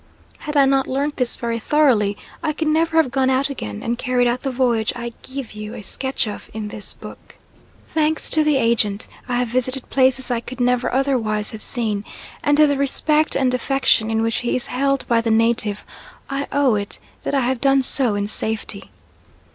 Had I not learnt this very thoroughly I could never have gone out again and carried out the voyage I give you a sketch of in this book. Thanks to "the Agent," I have visited places I could never otherwise have seen; and to the respect and affection in which he is held by the native, I owe it that I have done so in safety.